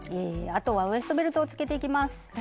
あとはウエストベルトをつけていきます。